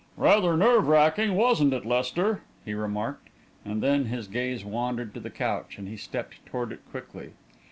"Rather nerve racking, wasn't it, Lester?" he remarked, and then his gaze wandered to the couch, and he stepped toward it quickly.